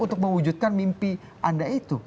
untuk mewujudkan mimpi anda itu